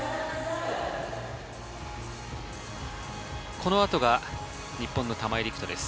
この後が日本の玉井陸斗です。